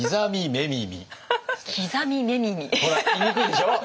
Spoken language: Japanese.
ほら言いにくいでしょう？